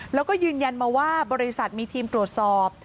แล้วก็ยืนยันมาว่าบริษัทมีทีมตรวจสอบ